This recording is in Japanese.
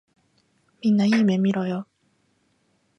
みんないい夢みろよ。